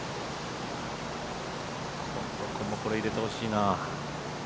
近藤君もこれ入れてほしいな。